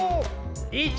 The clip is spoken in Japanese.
１。